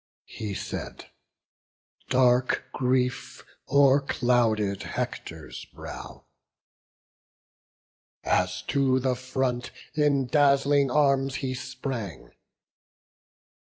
He said; dark grief o'erclouded Hector's brow, As to the front in dazzling arms he sprang.